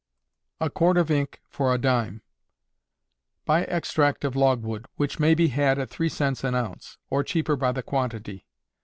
A Quart of Ink, for a Dime. Buy extract of logwood, which may be had at three cents an ounce, or cheaper by the quantity.